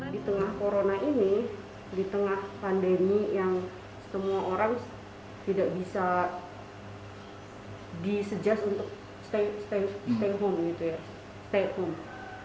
di tengah corona ini di tengah pandemi yang semua orang tidak bisa disejas untuk stay home